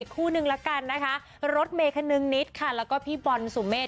คู่นึงละกันนะคะรถเมย์คนึงนิดค่ะแล้วก็พี่บอลสุเมฆ